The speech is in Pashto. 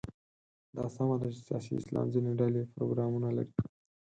دا سمه ده چې سیاسي اسلام ځینې ډلې پروګرامونه لري.